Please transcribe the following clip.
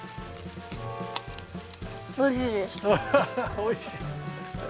おいしい。